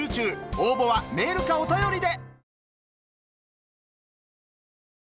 応募はメールかお便りで！